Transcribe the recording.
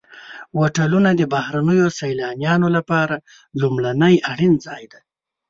هوټلونه د بهرنیو سیلانیانو لپاره لومړنی اړین ځای دی.